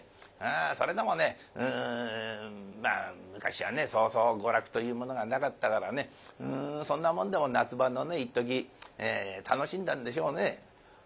それでもねまあ昔はねそうそう娯楽というものがなかったからねそんなもんでも夏場の一時楽しんだんでしょうね。